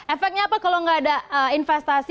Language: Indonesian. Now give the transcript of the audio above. efeknya apa kalau nggak ada investasi